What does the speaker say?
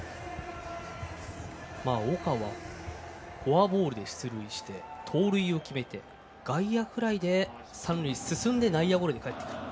岡はフォアボールで出塁して盗塁を決めて外野フライで三塁へ進んで内野ゴロでかえってくる。